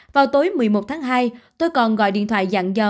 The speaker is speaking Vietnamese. vào tối một mươi một tháng hai tôi còn gọi điện thoại dạng dò